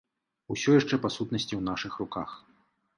Усё яшчэ па сутнасці ў нашых руках.